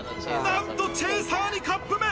なんとチェイサーにカップ麺！